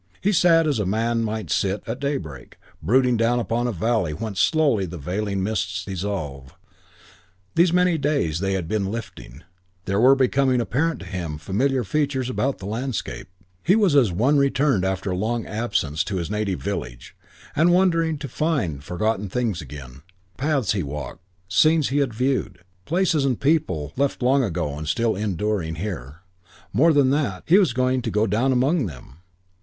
He sat as a man might sit at daybreak, brooding down upon a valley whence slowly the veiling mists dissolved. These many days they had been lifting; there were becoming apparent to him familiar features about the landscape. He was as one returned after long absence to his native village and wondering to find forgotten things again, paths he had walked, scenes he had viewed, places and people left long ago and still enduring here. More than that: he was to go down among them.